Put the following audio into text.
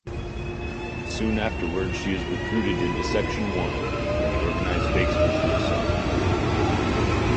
Soon afterward, she is recruited into Section One when the organization fakes her suicide.